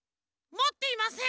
もっていません。